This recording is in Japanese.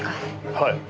はい。